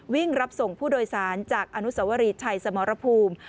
วิ่งรับส่งผู้โดยสารจากอนุสวรีชัยสมรภูมิ